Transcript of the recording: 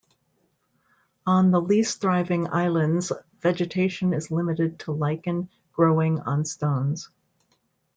On the least thriving islands vegetation is limited to lichen growing on stones.